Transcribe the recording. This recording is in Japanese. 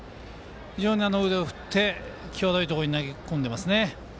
非常に腕を振って際どいところに投げ込んでます。